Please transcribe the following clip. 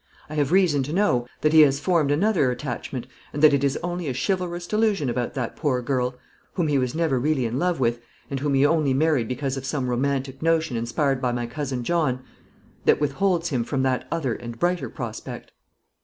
I have reason to know that he has formed another attachment, and that it is only a chivalrous delusion about that poor girl whom he was never really in love with, and whom he only married because of some romantic notion inspired by my cousin John that withholds him from that other and brighter prospect."